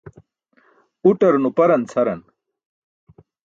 Uṭar nuparan cʰaran.